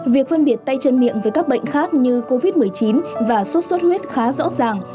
việc phân biệt tay chân miệng với các bệnh khác như covid một mươi chín và sốt xuất huyết khá rõ ràng